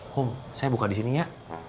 home saya buka di sini ya